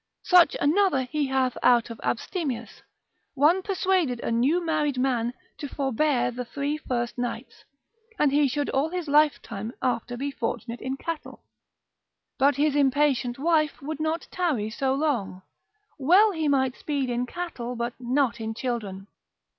Such another he hath out of Abstemius, one persuaded a new married man, to forbear the three first nights, and he should all his lifetime after be fortunate in cattle, but his impatient wife would not tarry so long: well he might speed in cattle, but not in children.